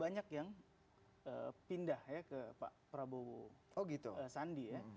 banyak yang pindah ya ke pak prabowo sandi ya